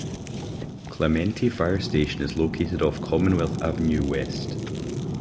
Clementi Fire Station is located off Commonwealth Avenue West.